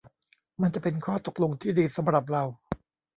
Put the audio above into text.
มันจะเป็นข้อตกลงที่ดีสำหรับเรา